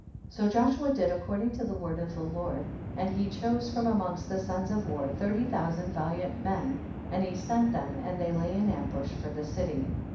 39. So Joshua did according to the word of the Lord, and he chose from amongst the sons of war thirty thou sand valiant men, and he sent them, and they lay in ambush for the city.